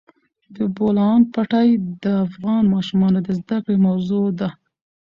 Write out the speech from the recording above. د بولان پټي د افغان ماشومانو د زده کړې موضوع ده.